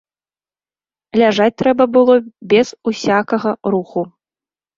Ляжаць трэба было без усякага руху.